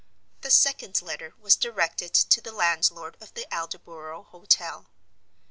The second letter was directed to the landlord of the Aldborough Hotel.